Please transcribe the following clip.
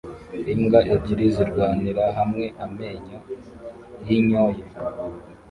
Imbwa ebyiri zirwanira hamwe amenyo yinyoye